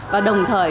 và đồng thời